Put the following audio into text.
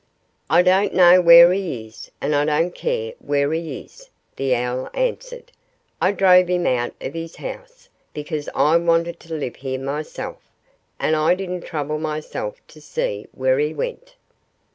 "I don't know where he is, and I don't care where he is," the owl answered. "I drove him out of this house because I wanted to live here myself. And I didn't trouble myself to see where he went."